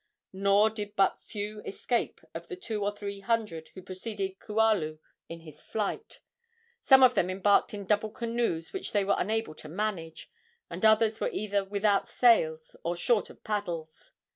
Nor did but few escape of the two or three hundred who preceded Kualu in his flight. Some of them embarked in double canoes which they were unable to manage, and others were either without sails or short of paddles.